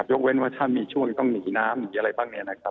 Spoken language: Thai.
เว้นว่าถ้ามีช่วงต้องหนีน้ำหนีอะไรบ้างเนี่ยนะครับ